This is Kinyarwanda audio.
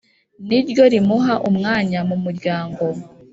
ni ryo rimuha umwanya mu muryango,